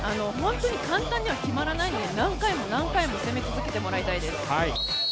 簡単には決まらないので、何回も何回も攻め続けてもらいたいです。